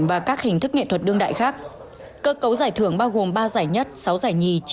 và các hình thức nghệ thuật đương đại khác cơ cấu giải thưởng bao gồm ba giải nhất sáu giải nhì